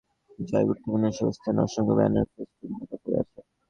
গতকাল বুধবার সরেজমিনে দেখা যায়, গুরুত্বপূর্ণ এসব স্থান অসংখ্য ব্যানার-ফেস্টুনে ঢাকা পড়ে আছে।